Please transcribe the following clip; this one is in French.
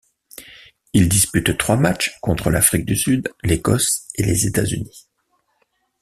Il dispute trois matchs, contre l'Afrique du Sud, l'Écosse et les États-Unis.